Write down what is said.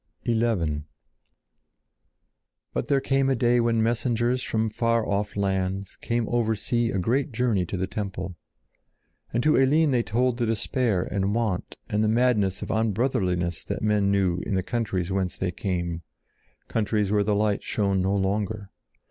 XI But there came a day when messengers from far off lands came over sea a great journey to the temple. And to Eline they told the despair and want and the madness of unbrotherliness that men knew in the countries whence they came, countries where the light shone no longer.